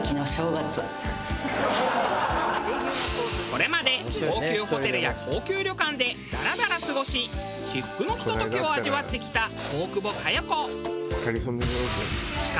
これまで高級ホテルや高級旅館でダラダラ過ごし至福のひと時を味わってきた大久保佳代子。